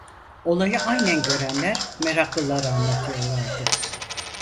Olayı aynen görenler meraklılara anlatıyorlardı.